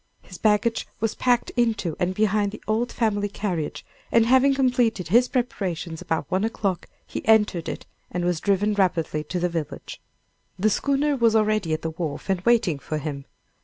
His baggage was packed into and behind the old family carriage, and having completed his preparations about one o'clock, he entered it, and was driven rapidly to the village. The schooner was already at the wharf and waiting for him.